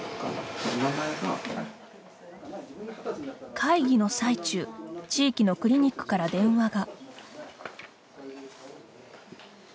会議の最中地域のクリニックから電話が。